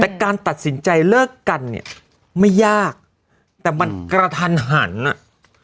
แต่การตัดสินใจเลิกกันเนี่ยไม่ยากแต่มันกระทันหันอ่ะ